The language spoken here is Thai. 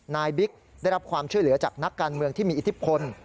บิ๊กได้รับความช่วยเหลือจากนักการเมืองที่มีอิทธิพล